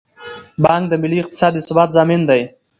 بانک د ملي اقتصاد د ثبات ضامن دی.